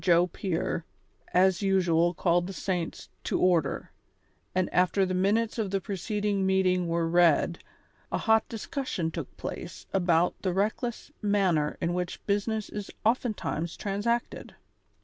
Joe Pier, as usual called the saints to order, and after the minutes of the preceding meeting were read, a hot discussion took place about the reclcless manner in which business is oftentimes transacted.